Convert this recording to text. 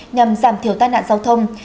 nhằm giảm thiểu tai nạn giao thông